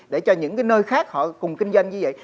để cho những nơi khác họ cùng kinh doanh như vậy